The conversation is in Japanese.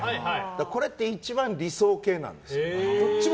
これって一番理想形なんですよ。